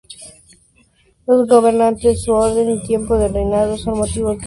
Los gobernantes, su orden y tiempo de reinado son motivo de debate.